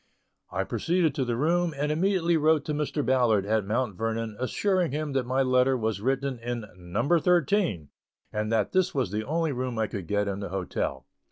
I proceeded to the room, and immediately wrote to Mr. Ballard at Mount Vernon, assuring him that my letter was written in "number thirteen," and that this was the only room I could get in the hotel.